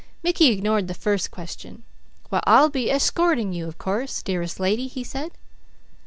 Mickey ignored the first question. "Why, I'll be eschorting you of course, dearest lady," he said.